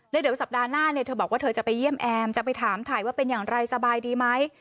แล้วเดี๋ยวสัปดาห์หน้าเนี่ยเธอบอกว่าเธอจะไปเยี่ยมแอมจะไปถามถ่ายว่าเป็นอย่างไรสบายดีไหม